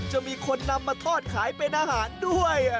จะมีคนนำมาทอดขายเป็นอาหารด้วย